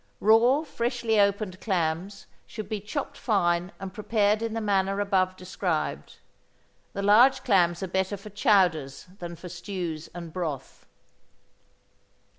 Raw, freshly opened clams should be chopped fine and prepared in the manner above described. The large clams are better for chowders than for stews and broth.